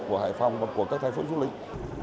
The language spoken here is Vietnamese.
của hải phòng và của các thành phố du lịch